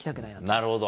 なるほど。